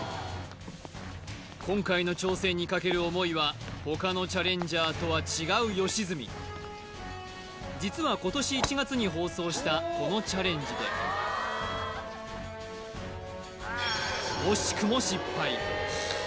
今回の挑戦にかける思いは他のチャレンジャーとは違う良純実は今年１月に放送したこのチャレンジで惜しくも失敗